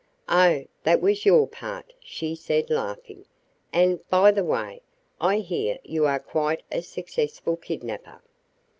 "Oh, that was your part," she said, laughing. "And, by the way, I hear you are quite a successful kidnaper."